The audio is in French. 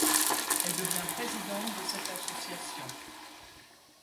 Elle devient présidente de cette association.